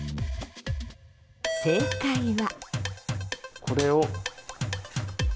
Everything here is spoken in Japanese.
正解は。